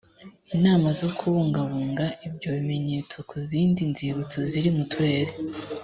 inama zo kubungabunga ibyo bimenyetso ku zindi nzibutso ziri mu turere